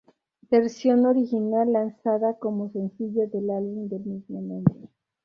Versión original: Lanzada como sencillo del álbum del mismo nombre.